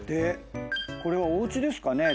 これはおうちですかね？